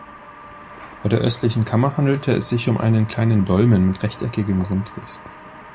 Bei der östlichen Kammer handelte es sich um einen kleinen Dolmen mit rechteckigem Grundriss.